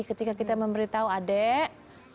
ketika kita memberitahu adik